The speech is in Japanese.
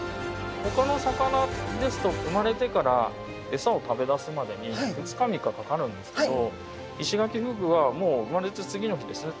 ほかの魚ですと生まれてから餌を食べだすまでに２日３日かかるんですけどイシガキフグはもう生まれて次の日ですね。